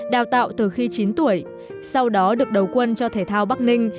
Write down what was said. đào tạo từ khi chín tuổi sau đó được đầu quân cho thể thao bắc ninh